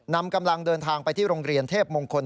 นำกำลังเดินทางไปที่โรงเรียนเทพมงคล